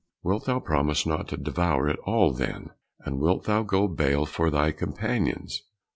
"Wilt thou promise not to devour it all then, and wilt thou go bail for thy companions?"